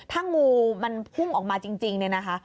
ถ้างูมันพุ่งออกมาจริงเนี่ยนะคะ